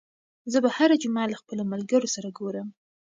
زه به هره جمعه له خپلو ملګرو سره ګورم.